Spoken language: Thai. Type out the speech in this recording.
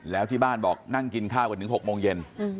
แล้วที่บ้านบอกนั่งกินข้าวกันถึง๖โมงเย็น